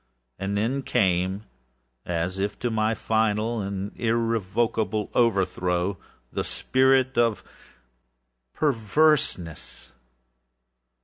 And then came, as if to my final and irrevocable overthrow, the spirit of PERVERSENESS.